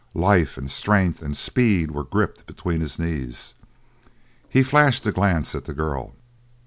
Life and strength and speed were gripped between his knees he flashed a glance at the girl.